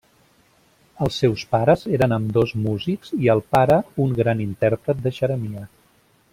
Els seus pares eren ambdós músics i el pare un gran intèrpret de xeremia.